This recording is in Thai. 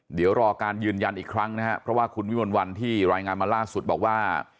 เดี๋ยวรอการยืนยันอีกครั้งนะครับเพราะว่าคุณวิมลวันที่รายงานมาล่าสุดบอกว่า